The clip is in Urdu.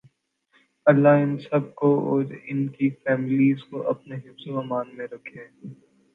لله ان سب کو اور انکی فیملیز کو اپنے حفظ و امان میں رکھے